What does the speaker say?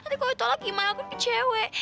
nanti kalau tolak gimana aku kecewa